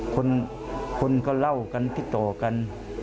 คนคนก็เล่ากันติดโตกัน